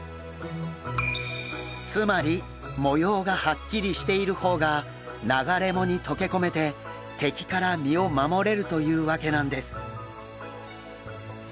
つまり模様がはっきりしている方が流れ藻にとけ込めて敵から身を守れるというわけなんです。